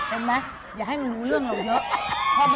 เห็นไหมอย่าให้มันรู้เรื่องเราเยอะ